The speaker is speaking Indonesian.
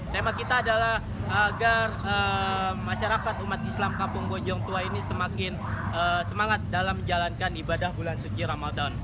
tema kita adalah agar masyarakat umat islam kampung bojong tua ini semakin semangat dalam menjalankan ibadah bulan suci ramadan